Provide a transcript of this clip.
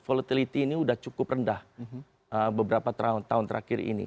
volatility ini sudah cukup rendah beberapa tahun terakhir ini